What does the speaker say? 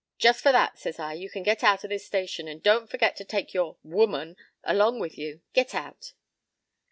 p> "'Just for that,' says I, 'you can get out o' this station. And don't forget to take your woman along with you. Get out!'